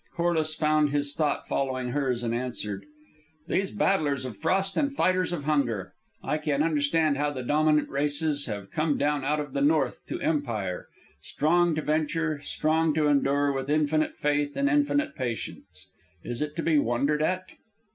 Corliss found his thought following hers, and answered, "These battlers of frost and fighters of hunger! I can understand how the dominant races have come down out of the north to empire. Strong to venture, strong to endure, with infinite faith and infinite patience, is it to be wondered at?"